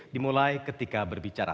dimulai ketika berbicara